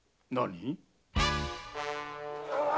何？